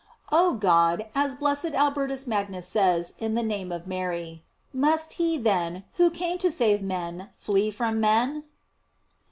Oh God, as blessed Albertus Magnus says in the name of Mary, must he, then, who came to save men flee from men?